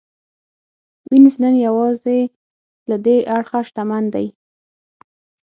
وینز نن یوازې له دې اړخه شتمن دی